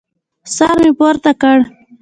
سر مې پورته کړ.